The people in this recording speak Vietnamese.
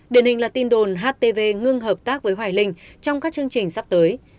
điển hình là tin đồn htv ngưng hợp tác với hoài linh trong các chương trình sắp tới